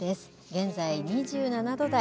現在２７度台。